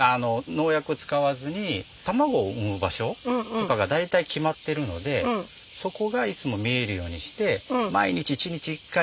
農薬を使わずに卵を産む場所とかが大体決まってるのでそこがいつも見えるようにして毎日１日１回来て見てるんです。